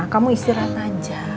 kamu istirahat aja